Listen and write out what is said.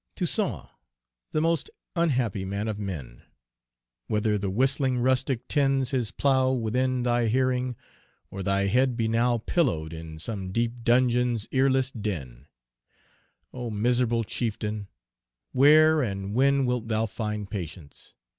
"Toussaint, the most unhappy man of men! Whether the whistling rustic tends his plough Within thy hearing, or thy head be now Pillowed in some deep dungeon's earless den; Oh, miserable chieftain! where and when Wilt thou find patience?